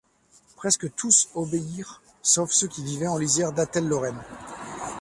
Presque tous obéirent sauf ceux qui vivaient en lisière d’Athel Loren.